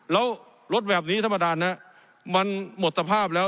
แล้วรถแบบนี้ท่านประธานมันหมดสภาพแล้ว